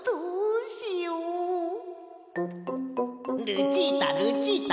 ルチータルチータ。